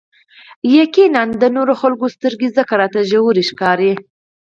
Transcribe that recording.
يقيناً د نورو خلکو سترګې ځکه راته ژورې ښکاري.